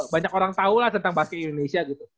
banyak orang tahu lah tentang basket indonesia gitu